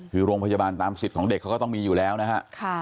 คือโรงพยาบาลตามสิทธิ์ของเด็กเขาก็ต้องมีอยู่แล้วนะฮะ